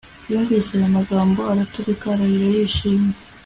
yumvise ayo makuru araturika arira yishimye